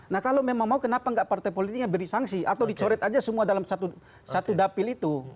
nah kalau memang mau kenapa nggak partai politiknya beri sanksi atau dicoret aja semua dalam satu dapil itu